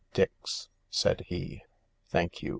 Dix," said he. " Thank you.